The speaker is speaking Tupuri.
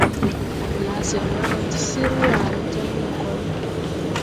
Laasenwa raw ti sir waaré jaŋ lakol.